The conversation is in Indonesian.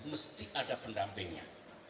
mesti ada pendampingnya